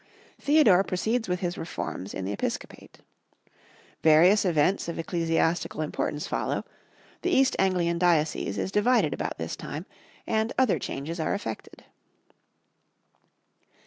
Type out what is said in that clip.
Theodore proceeds with his reforms in the episcopate. Various events of ecclesiastical importance follow; the East Anglian diocese is divided about this time, and other changes are effected.